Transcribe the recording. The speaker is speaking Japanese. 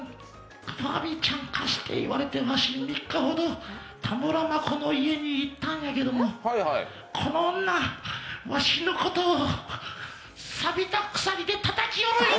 ファービーちゃんを貸してと言われてわし、３日ほど田村真子の家に行ったんやけどこの女、わしのこと、さびた鎖でたたきよるんや！